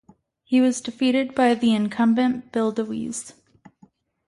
He was defeated by the incumbent, Bill DeWeese.